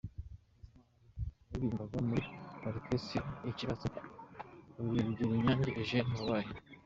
Bizimana Lotti waririmbaga muri Orchestre ikibatsi, Rugerinyange Eugène wabaye.